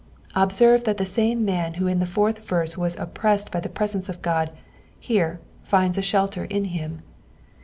Observe that the same man who in the fourtli verse was oppressed by the presence of Ood, here finds a shelter in him.